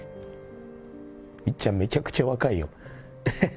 みっちゃん、めちゃくちゃ若いよ。